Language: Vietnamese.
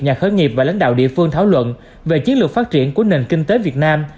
nhà khởi nghiệp và lãnh đạo địa phương thảo luận về chiến lược phát triển của nền kinh tế việt nam